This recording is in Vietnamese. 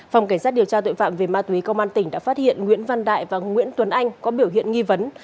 phòng cảnh sát điều tra tội phạm về ma túy công an tỉnh đã phát hiện nguyễn văn đại và nguyễn tuấn anh có biểu hiện nghi vấn